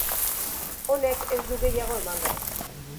Honek ez du gehiago emango.